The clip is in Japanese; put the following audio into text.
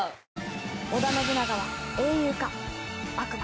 織田信長は英雄か悪魔か。